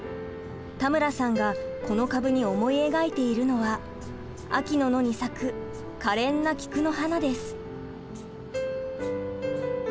田村さんがこのカブに思い描いているのは秋の野に咲くかれんな菊の花です。